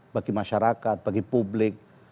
bagi masyarakat bagi publik